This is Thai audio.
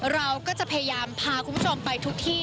เราก็จะพยายามพาคุณผู้ชมไปทุกที่